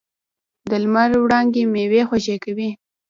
د لمر وړانګې میوې خوږې کوي.